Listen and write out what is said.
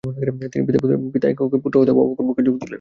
পিতা এক পক্ষে, পুত্র হয়তো অপর পক্ষে যোগ দিলেন।